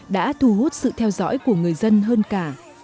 đã thu hút sự theo dõi của người dân hơn cả